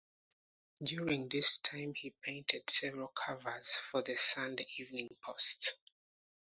During this time he painted several covers for "The Saturday Evening Post".